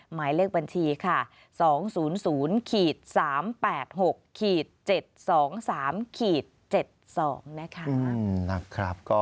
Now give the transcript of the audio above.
หมายเลขบัญชีค่ะ๒๐๐๓๘๖๗๒๓๗๒นะคะ